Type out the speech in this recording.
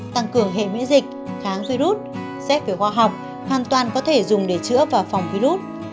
tăng cường hệ miễn dịch kháng virus xét về khoa học hoàn toàn có thể dùng để chữa và phòng virus